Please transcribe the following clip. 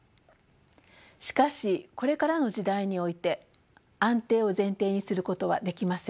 しかしこれからの時代において安定を前提にすることはできません。